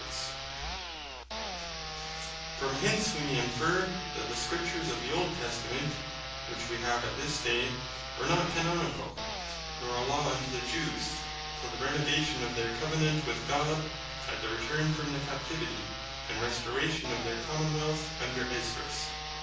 The Old Testament, When Made Canonicall From whence we may inferre, that the Scriptures of the Old Testament, which we have at this day, were not Canonicall, nor a Law unto the Jews, till the renovation of their Covenant with God at their return from the Captivity, and restauration of their Common wealth under Esdras.